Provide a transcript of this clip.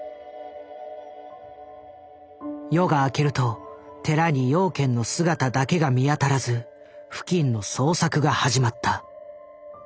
夜が明けると寺に養賢の姿だけが見当たらず付近の捜索が始まった。